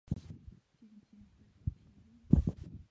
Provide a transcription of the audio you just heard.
渐渐恢复体力